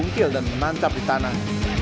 yang juga berjumpil dan menancap di tanah